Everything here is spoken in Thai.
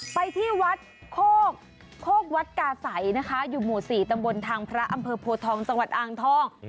ไปที่วัดโคกโคกวัดกาไสอยู่หมู่๔ตำบลทางพระอำเภอโพทองสวรรค์อ่างท่อง